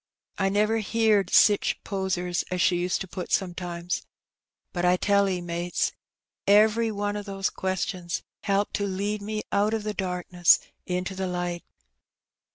I never heerd sich posers as she used to pat sometimes. But I tell 'e, mates^ every one of the questions helped to lead me out of the darkness into the light.